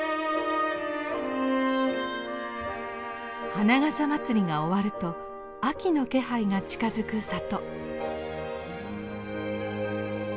花笠まつりが終わると秋の気配が近づく里。